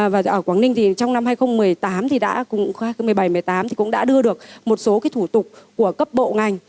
và ở quảng ninh thì trong năm hai nghìn một mươi tám hai nghìn một mươi bảy hai nghìn một mươi tám thì cũng đã đưa được một số thủ tục của cấp bộ ngành